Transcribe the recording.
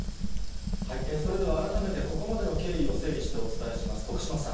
それでは改めてここまでの経緯を整理してお伝えします。